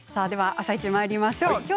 「あさイチ」まいりましょう。